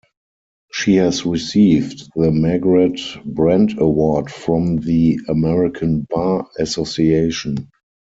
She has received the Margaret Brent Award from the American Bar Association.